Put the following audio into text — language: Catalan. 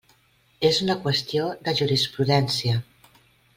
És una qüestió de jurisprudència.